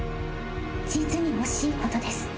実に惜しいことです。